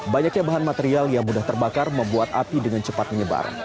banyaknya bahan material yang mudah terbakar membuat api dengan cepat menyebar